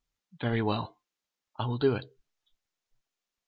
"Very well, I will do it!"